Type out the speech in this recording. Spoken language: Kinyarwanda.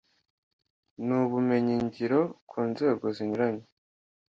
n ubumenyingiro ku nzego zinyuranye